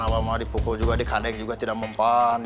abah mah dipukul juga dikandeng juga tidak mempan